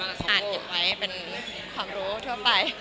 อ่านเก็บไว้เป็นความรู้ทั่วไป